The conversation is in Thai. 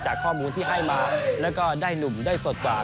ข้อมูลที่ให้มาแล้วก็ได้หนุ่มได้สดกว่า